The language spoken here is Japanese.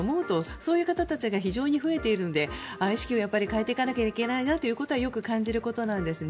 そういう人たちが非常に増えているのでああ、意識を変えていかなければいけないなというのはよく感じることなんですね。